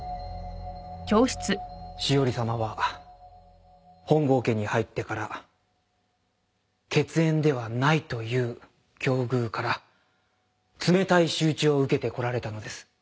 詩織さまは本郷家に入ってから血縁ではないという境遇から冷たい仕打ちを受けてこられたのです。